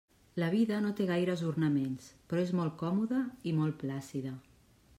La vida no té gaires ornaments, però és molt còmoda i molt plàcida.